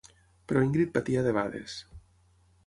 Però l'Ingrid patia debades.